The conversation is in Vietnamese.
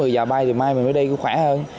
chín một mươi giờ bay rồi mai mới đây cũng khỏe hơn